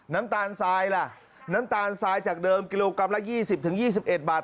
น้ำตาลทรายล่ะน้ำตาลทรายจากเดิมกิโลกรัมละ๒๐๒๑บาท